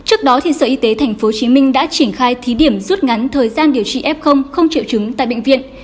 trước đó sở y tế tp hcm đã triển khai thí điểm rút ngắn thời gian điều trị f không triệu chứng tại bệnh viện